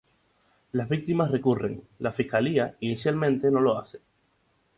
Las víctimas recurren; la Fiscalía inicialmente no lo hace.